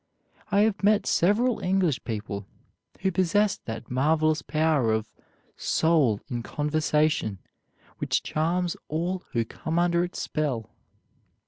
I have met several English people who possessed that marvelous power of "soul in conversation which charms all who come under its spell."